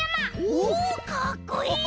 おおかっこいい！